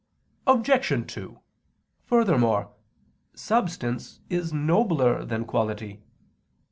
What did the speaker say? Obj. 2: Furthermore, substance is nobler than quality.